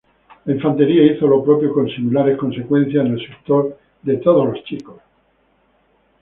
La infantería hizo lo propio con similares consecuencias en el sector de All Boys.